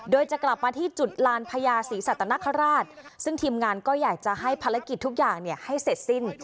โดยจะกลับมาที่จุดลานพญาศรีสัตนคราชซึ่งทีมงานก็อยากจะให้ภารกิจทุกอย่างให้เสร็จสิ้น